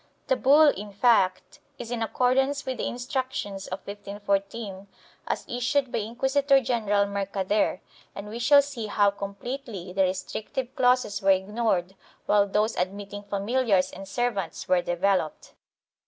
1 The bull, in fact, is in accordance with the Instruc tions of 1514, as issued by Inquisitor general Mercader, and we shall see how completely the restrictive clauses were ignored while those admitting familiars and servants were developed.